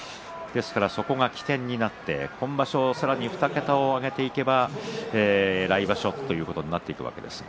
そこが起点になって２桁を挙げていけば来場所はということになっていくわけです。